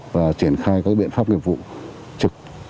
và triển khai các biện pháp nghiệp vụ trực